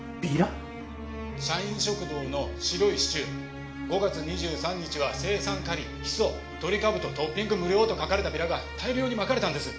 ☎「社員食堂の白いシチュー５月２３日は青酸カリヒ素トリカブトトッピング無料」と書かれたビラが大量にまかれたんです。